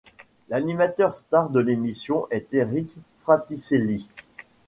L'animateur star de l'émission est Éric Fraticelli.